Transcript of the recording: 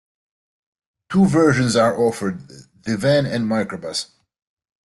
Two versions are offered, the van and microbus.